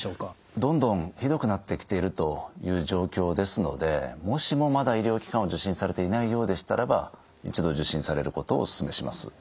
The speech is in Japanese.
どんどんひどくなってきているという状況ですのでもしもまだ医療機関を受診されていないようでしたらば一度受診されることをおすすめします。